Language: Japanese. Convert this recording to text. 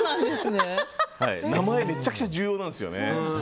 名前めちゃくちゃ重要なんですよね。